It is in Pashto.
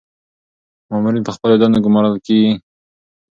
مامورین په خپلو دندو ګمارل کیږي.